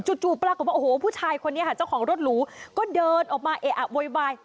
จู่ปรากฏว่าโอ้โหผู้ชายคนนี้ค่ะเจ้าของรถหรูก็เดินออกมาเอะอะโวยวาย